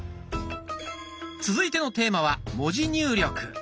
続いてのテーマは「文字入力」。